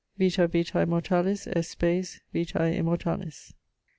Vita vitae mortalis est spes vitae immortalis.